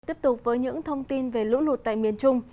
tiếp tục với những thông tin về lũ lụt tại miền trung